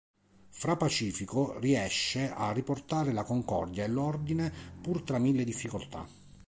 Fra' Pacifico riesce a riportare la concordia e l'ordine pur tra mille difficoltà.